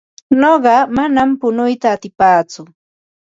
Nuqa manam punuyta atipaatsu.